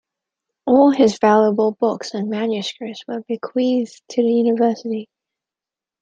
All his valuable books and manuscripts were bequeathed to the university.